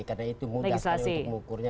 karena itu mudah sekali untuk mengukurnya